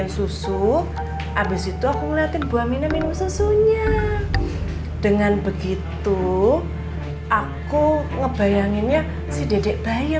susu habis itu aku ngeliatin buah mina minum susunya dengan begitu aku ngebayanginnya si dedek bayi